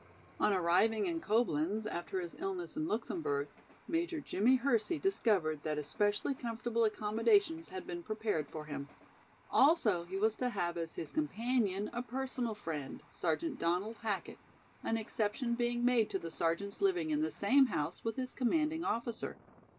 On arriving in Coblenz, after his illness in Luxemburg, Major Jimmie Hersey discovered that especially comfortable accommodations had been prepared for him. Also he was to have as his companion, a personal friend, Sergeant Donald Hackett an exception being made to the sergeant's living in the same house with his commanding officer.